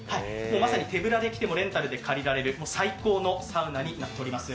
まさに手ぶらで来てもレンタルで借りられる最高のサウナになっています。